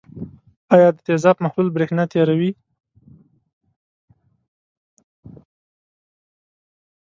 آیا د تیزاب محلول برېښنا تیروي؟